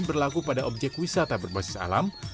berlaku pada objek wisata berbasis alam